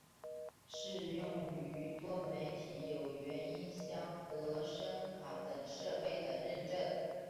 适用于多媒体有源音箱和声卡等设备的认证。